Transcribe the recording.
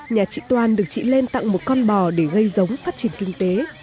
nhà chị toan được chị lên tặng một con bò để gây giống phát triển kinh tế